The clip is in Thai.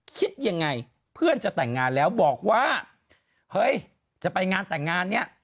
คิดยังไงเพื่อนจะแต่งงานแล้วบอกว่าเฮ้ยจะไปงานแต่งงานเนี่ย